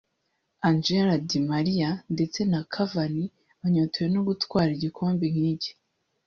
Angel di Maria ndetse na Cavani banyotewe no gutwara igikombe nk’iki